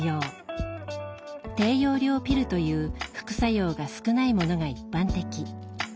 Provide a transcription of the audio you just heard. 低用量ピルという副作用が少ないものが一般的。